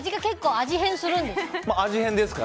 味変するんですか？